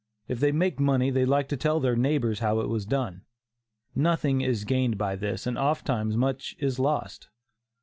If they make money they like to tell their neighbors how it was done. Nothing is gained by this, and ofttimes much is lost.